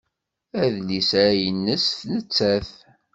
Adlis-a nnes nettat.